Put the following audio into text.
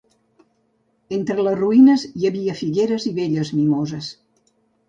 Entre les ruïnes hi havia figueres i belles mimoses.